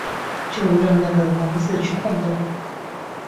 就让那个王子去晃动吧！